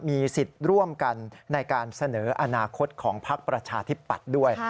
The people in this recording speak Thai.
มีสิทธิ์ร่วมกันในการเสนออนาคตของพักประชาธิปัตย์ด้วย